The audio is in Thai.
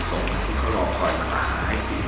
ส่งมาที่เขาลองถอยมาหลาหาให้ปี